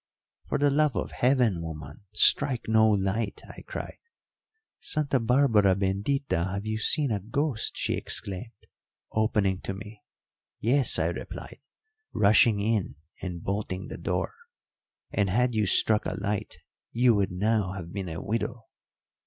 'For the love of Heaven, woman, strike no light,' I cried. 'Santa Barbara bendita! have you seen a ghost?' she exclaimed, opening to me. 'Yes,' I replied, rushing in and bolting the door, 'and had you struck a light you would now have been a widow.'